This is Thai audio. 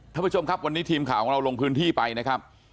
ท่านผู้ชมครับวันนี้ทีมข่าวของเราลงพื้นที่ไปนะครับ